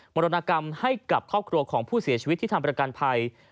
รณกรรมให้กับครอบครัวของผู้เสียชีวิตที่ทำประกันภัย